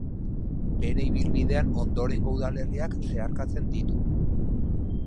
Bere ibilbidean ondorengo udalerriak zeharkatzen ditu.